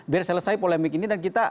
biar selesai polemik ini dan kita